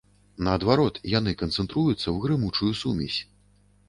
Наадварот, яны канцэнтруюцца ў грымучую сумесь.